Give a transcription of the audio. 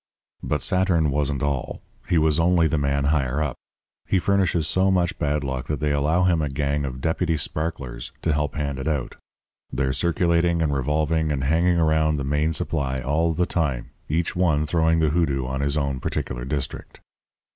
"'But Saturn wasn't all. He was only the man higher up. He furnishes so much bad luck that they allow him a gang of deputy sparklers to help hand it out. They're circulating and revolving and hanging around the main supply all the time, each one throwing the hoodoo on his own particular district.